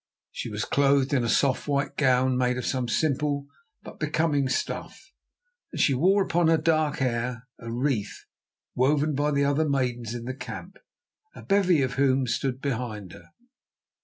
She was clothed in a soft white gown made of some simple but becoming stuff, and she wore upon her dark hair a wreath woven by the other maidens in the camp, a bevy of whom stood behind her.